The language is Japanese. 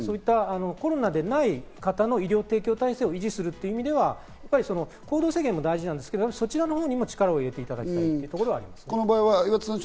コロナでない方の医療提供体制を維持するという意味では、行動制限も大事ですけど、まずそちらのほうに力を入れていただきたいところはありますね。